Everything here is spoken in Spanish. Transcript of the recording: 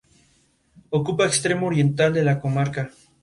Aquí se puede acampar.